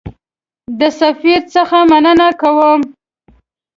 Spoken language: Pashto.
د سفیر څخه مننه کوم.